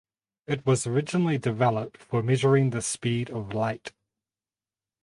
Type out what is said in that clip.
It was originally developed for measuring the speed of light.